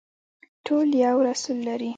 ټول یو رسول لري